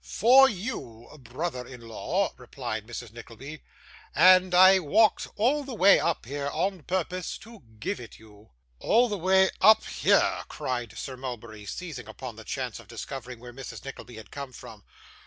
'For you, brother in law,' replied Mrs. Nickleby, 'and I walked all the way up here on purpose to give it you.' 'All the way up here!' cried Sir Mulberry, seizing upon the chance of discovering where Mrs. Nickleby had come from.